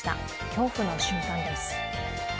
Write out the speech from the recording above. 恐怖の瞬間です。